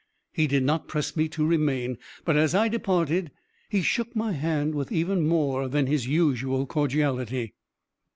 He did not press me to remain, but, as I departed, he shook my hand with even more than his usual cordiality.